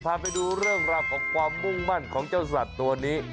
พาไปดูเรื่องราวของความมุ่งมั่นของเจ้าสัตว์ตัวนี้